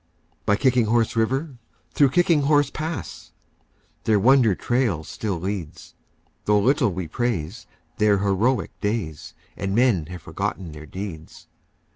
By Kicking Horse River, through Kicking Horse Pass, Their wonder trail still leads, Though little we praise their heroic days And men have forgotten their deeds.